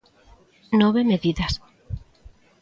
Nove medidas.